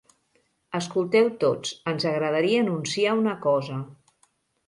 Escolteu tots, ens agradaria anunciar una cosa.